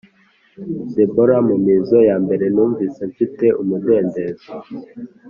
Deborah mu mizo ya mbere numvise mfite umudendezo